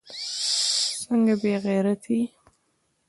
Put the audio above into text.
څنگه بې غيرتي.